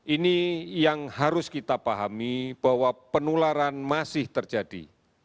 ini yang harus kita pahami bahwa penularan masih terjadi